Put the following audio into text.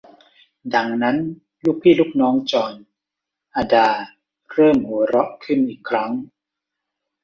ดังนั้น ลูกพี่ลูกน้องจอร์น อดาเริ่มหัวเราะขึ้นอีกครั้ง